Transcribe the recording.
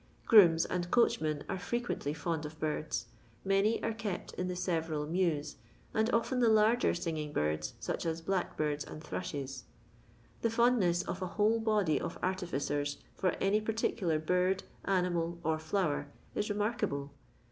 Grooms and coachmen are. frequently fond of birds; many are kept in the several mews, and often the larger singing birds, such as blackbirds and thrushes. The fondness of a whole body of artificers for any particular bird, animal, or flower, is remarkable.